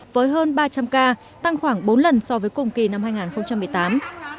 với hơn ba trăm linh ca tăng khoảng bốn lần so với cùng kỳ năm hai nghìn một mươi tám